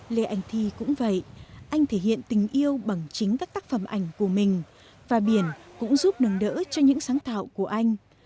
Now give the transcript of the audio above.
lê anh thi cũng vậy anh thể hiện tình yêu bằng chính các tác phẩm ảnh của mình và biển cũng giúp nâng đỡ cho những sáng tạo của anh